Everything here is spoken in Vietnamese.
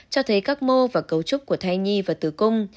cho thấy các mô và cấu trúc của thai nhi và tử cung